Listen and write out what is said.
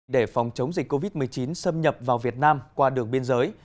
để phòng chống dịch covid một mươi chín xâm nhập vào việt nam qua đường biên giới